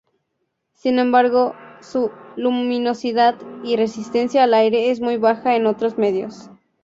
Sin embargo, su luminosidad y resistencia al aire es muy baja en otros medios.